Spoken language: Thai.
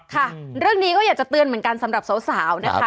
ค่ะเรื่องนี้ก็อยากจะเตือนเหมือนกันสำหรับสาวนะคะ